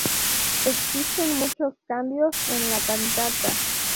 Existen muchos cambios en la cantata.